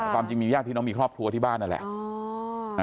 ความจริงมีญาติพี่น้องมีครอบครัวที่บ้านนั่นแหละ